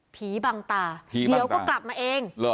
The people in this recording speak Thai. บังตาเดี๋ยวก็กลับมาเอง